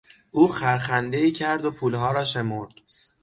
او خرخندهای کرد و پولها را شمرد.